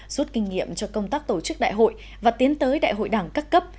rút kinh nghiệm cho công tác tổ chức đại hội và tiến tới đại hội đảng các cấp